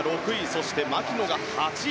そして、牧野が８位。